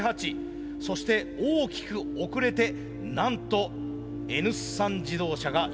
そして大きく遅れてなんとＮ産自動車が４７秒８２です。